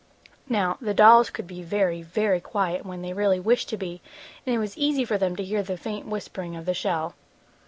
Now the dolls could be very, very quiet when they really wished to be, and it was easy for them to hear the faint whispering of the shell.